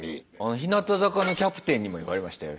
日向坂のキャプテンにも言われましたよ